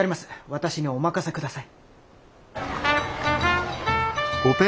私にお任せください。